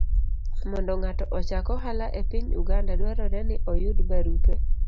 Mondo ng'ato ochak ohala e piny Uganda, dwarore ni oyud barupe